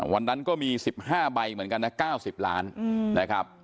วันนั้นก็มี๑๕ใบเหมือนกันนะ๙๐ล้านนะครับ